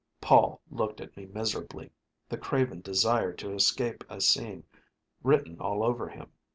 Paul looked at me miserably, the craven desire to escape a scene written all over him.